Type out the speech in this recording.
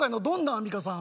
アンミカさん。